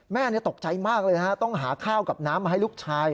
แม่ตกใจมากเลยนะฮะต้องหาข้าวกับน้ำมาให้ลูกชาย